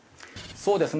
そうですね